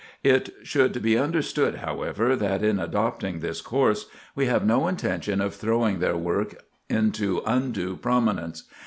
It should be understood, however, that in adopting this course we have no intention of throwing their work into undue prominence.